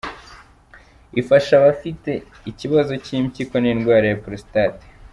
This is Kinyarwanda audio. Ifasha abafite ikibazo cy’impyiko n’indwara ya prostate.